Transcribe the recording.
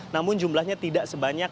namun jumlahnya tidak sebanyak